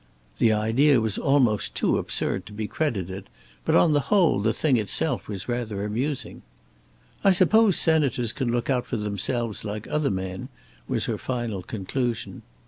The idea was almost too absurd to be credited; but on the whole the thing itself was rather amusing. "I suppose senators can look out for themselves like other men," was her final conclusion.